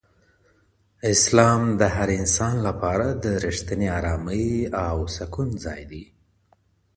اسلام د هر انسان لپاره د رښتینې ارامۍ او سکون ځای دی.